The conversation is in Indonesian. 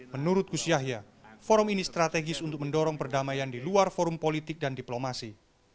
menurut gus yahya forum ini strategis untuk mendorong perdamaian di luar forum politik dan diplomasi